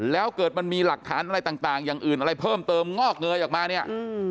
แล้วเกิดมันมีหลักฐานอะไรต่างอย่างอื่นอะไรเพิ่มเติมงอกเงยออกมาเนี่ย